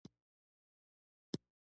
انحصار کوونکی چلونه کاروي.